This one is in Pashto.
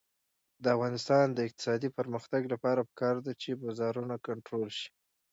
د افغانستان د اقتصادي پرمختګ لپاره پکار ده چې بازارونه کنټرول شي.